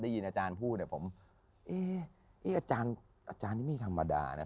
ได้ยินอาจารย์พูดผมอาจารย์นี่ไม่ธรรมดานะ